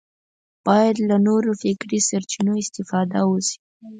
باید له نورو فکري سرچینو استفاده وشي